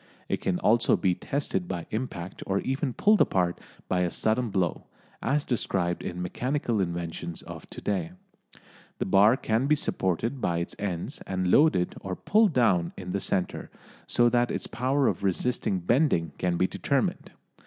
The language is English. It can also be tested by impact or even pulled apart by a sudden blow, as described in Mechanical Inventions of To day. The bar can be supported by its ends and loaded or pulled down in the centre, so that its power of resisting bending can be determined.